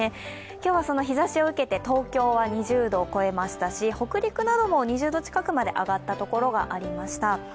今日はその日ざしを受けて東京は２０度を超えましたし北陸なども２０度近くまで上がった所がありました。